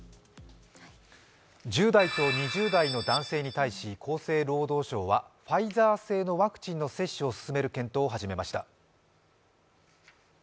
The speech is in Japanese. １０代と２０代の男性に対し、厚生労働省はファイザー製のワクチンの接種を進める検討を始めました。